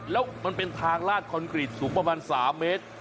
แล้วมันเป็นทางลาดคอนกรีตสูงประมาณ๓เมตร